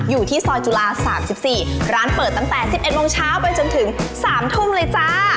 อยู่ที่ซอยจุฬา๓๔ร้านเปิดตั้งแต่๑๑โมงเช้าไปจนถึง๓ทุ่มเลยจ้า